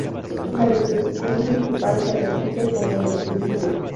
La introducción principal se repite, como el estribillo.